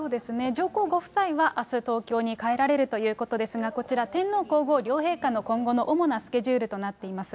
上皇ご夫妻は、あす東京に帰られるということですが、こちら、天皇皇后両陛下の今後の主なスケジュールとなっています。